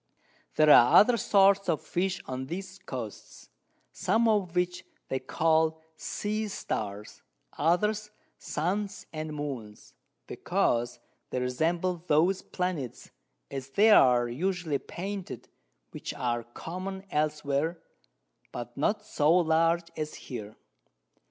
There are other Sorts of Fish on these Coasts, some of which they call Sea Stars, others Suns and Moons, because they resemble those Planets, as they are usually painted, which are common elsewhere, but not so large as here.